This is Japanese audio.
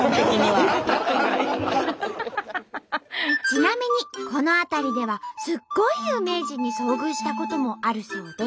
ちなみにこの辺りではすっごい有名人に遭遇したこともあるそうで。